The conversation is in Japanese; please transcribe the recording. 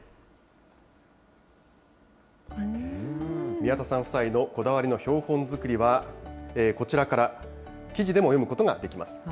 宮田さん夫妻のこだわりの標本作りは、こちらから記事でも読むことができます。